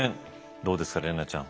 どうですか怜奈ちゃん。